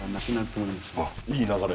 いい流れ。